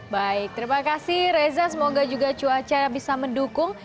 baik terima kasih reza semoga juga cuaca bisa mendukung